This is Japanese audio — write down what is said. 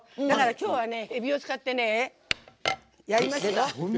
だから今日はエビを使ってやりますよ。